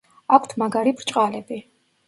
აქვთ მაგარი ბრჭყალები.